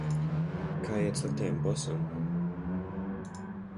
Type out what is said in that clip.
Kā iet sliktajam bosam?